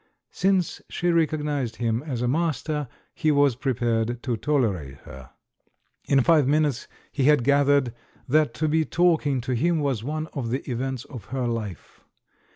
Since she recognised him as a master, he was prepared to tolerate her. In five minutes he had gathered that to be talking to him was one of the events of her life.